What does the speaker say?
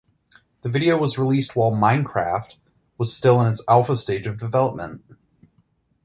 The video was released while "Minecraft" was still in its alpha stage of development.